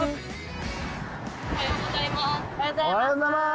おはようございます。